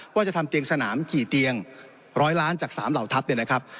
ว่าจะทำเตียงสนามกี่เตียง๑๐๐ล้านจาก๓เหล่าทัพเนี่ยนะครับ